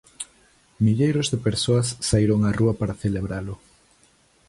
Milleiros de persoas saíron á rúa para celebralo.